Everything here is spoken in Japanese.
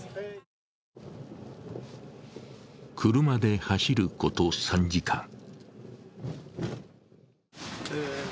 車で走ること３時間。